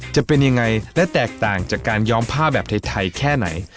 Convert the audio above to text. จะเป็นยังไงและแตกต่างจากการย้อมผ้าแบบไทยแค่ไหน